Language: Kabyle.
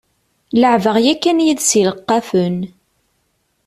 Leɛbeɣ yakan yid-s ileqqafen.